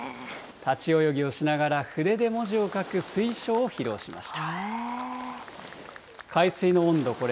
立ち泳ぎをしながら、筆で文字を書く水書を披露しました。